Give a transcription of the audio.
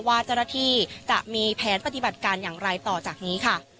ว่าเจ้าหน้าที่จะมีแผนปฏิบัติการอย่างไรต่อจากนี้ค่ะ